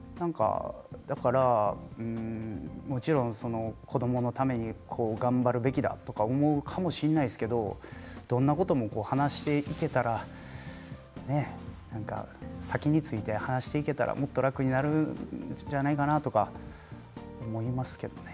だから、もちろん子どものために頑張るべきだとかあるかもしれませんけどどんなことも話していけたら先について話していけたらもっと楽になるんじゃないかなと思いますけどね。